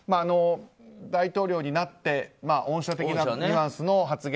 大統領になって恩赦的なニュアンスの発言